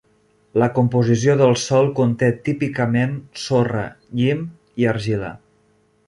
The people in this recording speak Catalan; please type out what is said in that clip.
La composició del sòl conté típicament sorra, llim i argila.